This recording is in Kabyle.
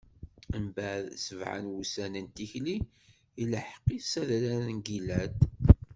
Mbeɛd sebɛa n wussan n tikli, ilḥeq-it s adrar n Gilɛad.